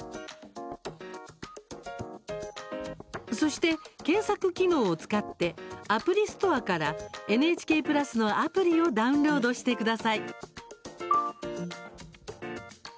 そして、検索機能を使ってアプリストアからＮＨＫプラスのアプリをダウンロードしてください。